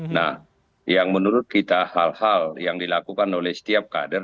nah yang menurut kita hal hal yang dilakukan oleh setiap kader